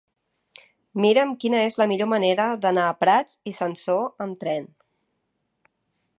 Mira'm quina és la millor manera d'anar a Prats i Sansor amb tren.